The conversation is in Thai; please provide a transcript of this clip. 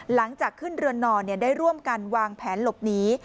หลังจากขึ้นเรือนนอนได้ร่วมกันวางแผนหลบหนี